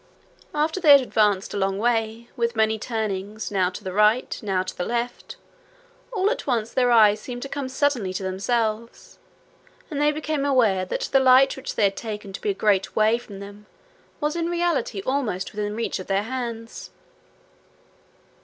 After they had advanced a long way, with many turnings, now to the right, now to the left, all at once their eyes seemed to come suddenly to themselves, and they became aware that the light which they had taken to be a great way from them was in reality almost within reach of their hands.